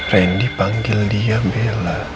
rendy panggil dia bella